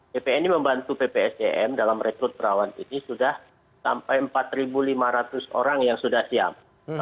bpn ini membantu ppsdm dalam rekrut perawat ini sudah sampai empat lima ratus orang yang sudah siap